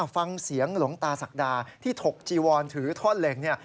ฟังเสียงหลวงตาศักดาที่ถกจีวอนถือท่อนเหล็กเนี่ย